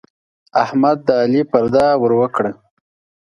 احمد د علي پرده ور وکړه.